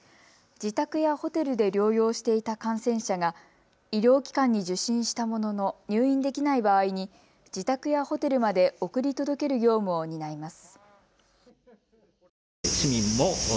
自宅やホテルで療養していた感染者が、医療機関に受診したものの入院できない場合に自宅やホテルまで送り届ける業務を担います。